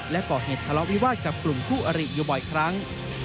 และก่อเหตุทะเลาะวิวาสกับกลุ่มคู่อริอยู่บ่อยครั้ง